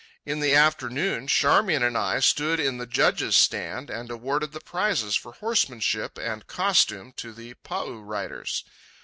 In the afternoon Charmian and I stood in the judge's stand and awarded the prizes for horsemanship and costume to the pa u riders.